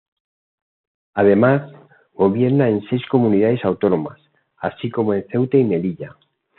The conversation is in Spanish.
Además, gobierna en seis comunidades autónomas, así como en Ceuta y Melilla.